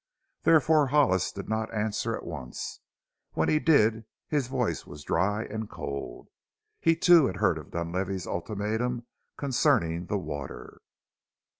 Therefore Hollis did not answer at once. When he did his voice was dry and cold. He too had heard of Dunlavey's ultimatum concerning the water.